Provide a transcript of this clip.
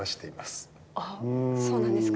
あそうなんですか？